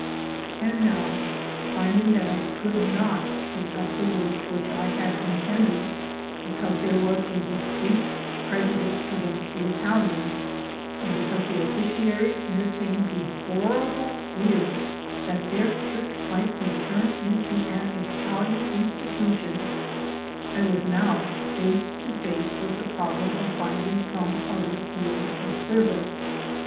And now finding that I could not take up the work which I had intended because there was a dis tinct prejudice against the Italians and because the officiary entertained the horrible fear that their church might be turned into an Italian institution, I was now face to face with the problem of finding some other field of service.